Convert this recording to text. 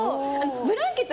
ブランケット